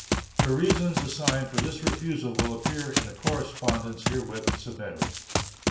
The reasons assigned for this refusal will appear in the correspondence herewith submitted.